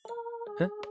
えっ？